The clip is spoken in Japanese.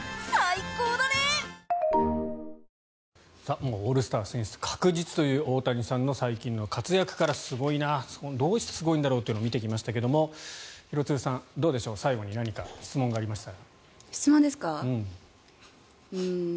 もうオールスター選出確実という大谷さんの最近の活躍から、すごいなどうしてすごいんだろうなというのを見てきましたが廣津留さん最後に質問がありましたら。